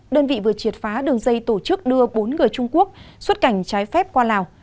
đơn vị vừa triệt phá đường dây tổ chức đưa bốn người trung quốc xuất cảnh trái phép qua lào